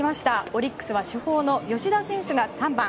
オリックスは主砲の吉田選手が３番。